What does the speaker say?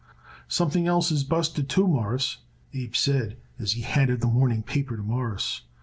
"Something else is busted, too, Mawruss," Abe said as he handed the morning paper to Morris.